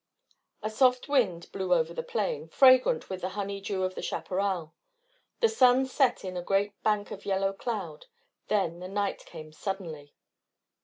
A soft wind blew over the plain, fragrant with the honeydew of the chaparral. The sun set in a great bank of yellow cloud. Then the night came suddenly.